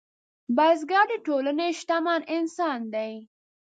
بزګر د ټولنې شتمن انسان دی